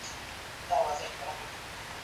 د علمي قواعدو پيروي د څېړنې بنياد دی.